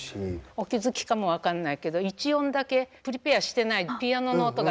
お気付きかも分かんないけど１音だけプリペアしてないピアノの音が出るんですよ。